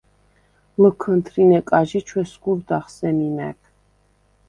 ლჷქჷნთრინე კაჟი ჩვესგურდახ სემი მა̈გ.